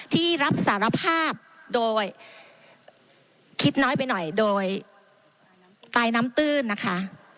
ที่รับสารภาพโดยคิดน้อยไปหน่อยโดยตายน้ำตื้นนะคะ